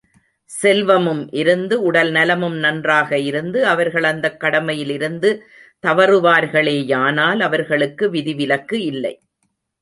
செல்வமும் இருந்து, உடல் நலமும் நன்றாக இருந்து, அவர்கள் அந்தக் கடமையிலிருந்து தவறுவார்களேயானால், அவர்களுக்கு விதி விலக்கு இல்லை.